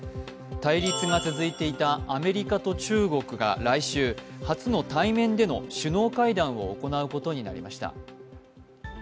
対立が続いていたアメリカと中国が来週、初の対面での首脳会談を行うことになりました。